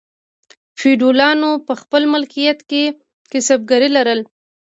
فیوډالانو په خپل مالکیت کې کسبګر لرل.